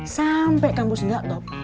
sampai kampus gak top